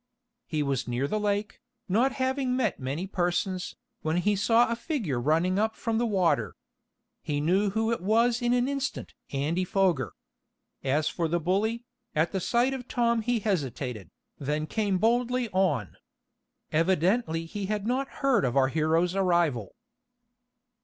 He was near the lake, not having met many persons, when he saw a figure running up from the water. He knew who it was in an instant Andy Foger. As for the bully, at the sight of Tom he hesitated, than came boldly on. Evidently he had not heard of our hero's arrival.